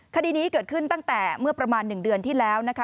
คดีนี้เกิดขึ้นตั้งแต่เมื่อประมาณ๑เดือนที่แล้วนะคะ